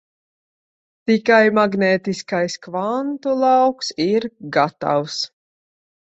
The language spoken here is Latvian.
Tikai magnētiskais kvantu lauks ir gatavs.